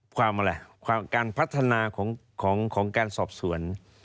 ความอะไรความการพัฒนาของการสอบสวน